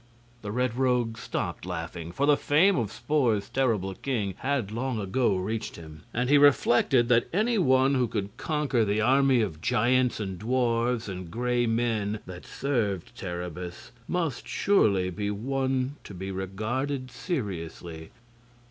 The Red Rogue stopped laughing, for the fame of Spor's terrible king had long ago reached him. And he reflected that any one who could conquer the army of giants and dwarfs and Gray Men that served Terribus must surely be one to be regarded seriously.